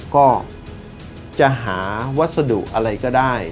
ก็จะหาวัสดุอะไรก็ได้